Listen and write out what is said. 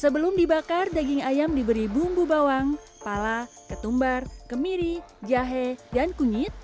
sebelum dibakar daging ayam diberi bumbu bawang pala ketumbar kemiri jahe dan kunyit